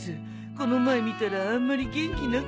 この前見たらあんまり元気なかったなあ。